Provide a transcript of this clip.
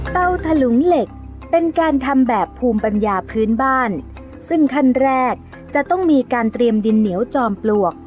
ถลุงเหล็กเป็นการทำแบบภูมิปัญญาพื้นบ้านซึ่งขั้นแรกจะต้องมีการเตรียมดินเหนียวจอมปลวก